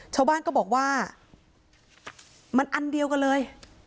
ชาวบ้านก็บอกว่ามันอันเดียวกันเลย